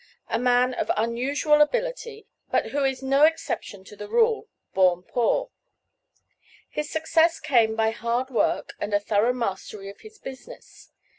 A man of unusual ability; but who is no exception to the rule, born poor. His success came by hard work and a thorough mastery of his business.